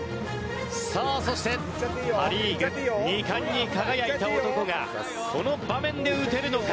さあそしてパ・リーグ二冠に輝いた男がこの場面で打てるのか？